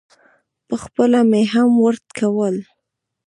پخپله مې هم ورد کول.